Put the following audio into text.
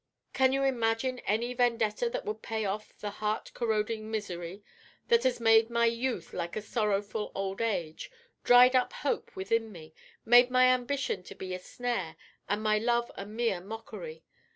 Can you imagine any vendetta that would pay off the heart corroding misery that has made my youth like a sorrowful old age, dried up hope within me, made my ambition to be a snare, and my love a mere mockery?